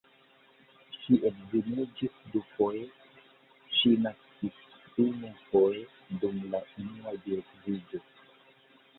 Ŝi edziniĝis dufoje, ŝi naskis unufoje dum la unua geedziĝo.